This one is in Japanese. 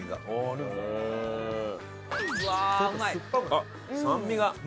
あっ酸味が。